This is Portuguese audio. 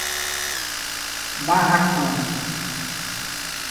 Barracão